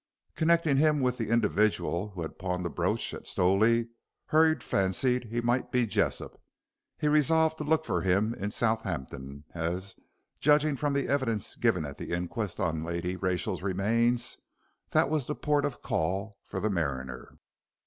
Connecting him with the individual who had pawned the brooch at Stowley, Hurd fancied he might be Jessop. He resolved to look for him in Southampton, as, judging from the evidence given at the inquest on Lady Rachel's remains, that was the port of call for the mariner.